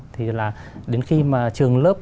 thì là đến khi mà trường lớp